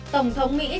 trong phần tin thế giới